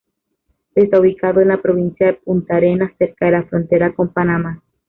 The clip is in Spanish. Está ubicado en la provincia de Puntarenas cerca de la frontera con Panamá.